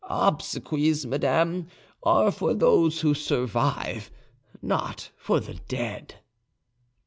Obsequies, madame, are for those who survive, not for the dead."